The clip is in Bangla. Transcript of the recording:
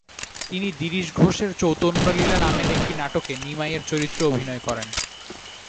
তিনি দিরিশ ঘোষের চৈতন্যলীলা নামের একটি নাটকে নিমাইয়ের চরিত্রে অভিনয় করেন।